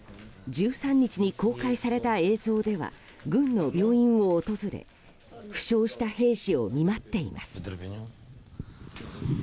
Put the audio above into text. １３日に公開された映像では軍の病院を訪れ負傷した兵士を見舞っています。